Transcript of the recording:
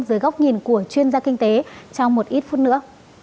dưới góc nhìn của chuyên gia kinh tế trong một ít phút nữa